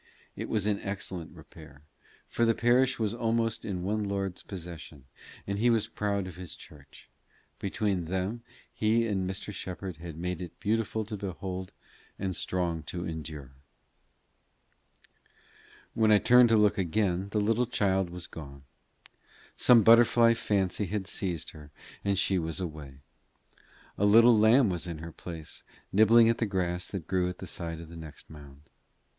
It was in excellent repair, for the parish was almost all in one lord's possession, and he was proud of his church: between them he and Mr. Shepherd had made it beautiful to behold and strong to endure. When I turned to look again, the little child was gone. Some butterfly fancy had seized her, and she was away. A little lamb was in her place, nibbling at the grass that grew on the side of the next mound.